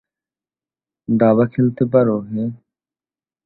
দাবা খেলতে পারো হে?